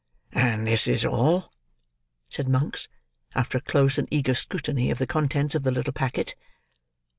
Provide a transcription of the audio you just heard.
"And this is all?" said Monks, after a close and eager scrutiny of the contents of the little packet.